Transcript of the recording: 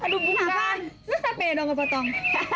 lu siapa yang gak kepotong